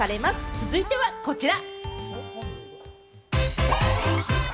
続いてはこちら。